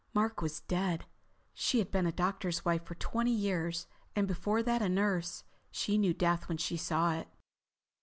Mark was dead. She had been a doctor's wife for twenty years, and before that a nurse. She knew death when she saw it.